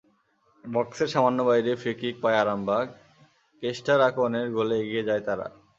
বক্সের সামান্য বাইরে ফ্রি-কিক পায় আরামবাগ, কেস্টার আকনের গোলে এগিয়ে যায় তারা।